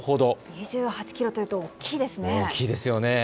２８キロというと大きいですね。